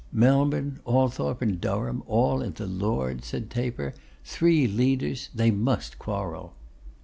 'Melbourne, Althorp, and Durham, all in the Lords,' said Taper. 'Three leaders! They must quarrel.